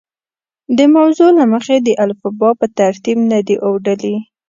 د موضوع له مخې د الفبا په ترتیب نه دي اوډلي.